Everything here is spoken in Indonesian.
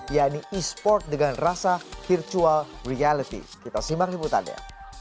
yaitu e sport dengan rasa virtual reality kita simak simak tadi